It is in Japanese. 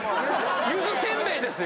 ゆずせんべいですよ